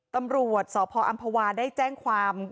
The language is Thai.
ตำรวจสพอำภาวาได้แจ้งความ